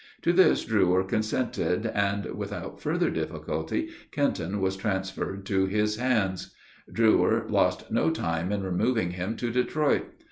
To this Drewyer consented, and, with out further difficulty, Kenton was transferred to his hands. Drewyer lost no time in removing him to Detroit.